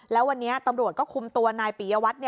แล้ววันนี้ตำรวจก็คุมตัวนายปียวัตร